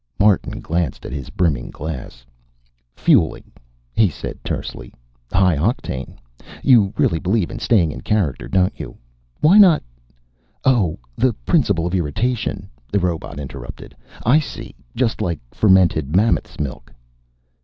Martin glanced at his brimming glass. "Fueling," he said tersely. "High octane. You really believe in staying in character, don't you? Why not " "Oh, the principle of irritation," the robot interrupted. "I see. Just like fermented mammoth's milk."